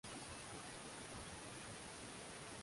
Mkapa aliwahi kuongoza Tume ya Utandawazi Duniani